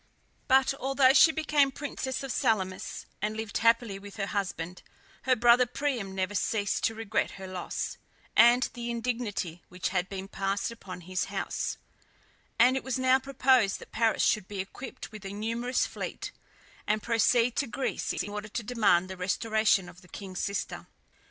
But although she became princess of Salamis, and lived happily with her husband, her brother Priam never ceased to regret her loss, and the indignity which had been passed upon his house; and it was now proposed that Paris should be equipped with a numerous fleet, and proceed to Greece in order to demand the restoration of the king's sister.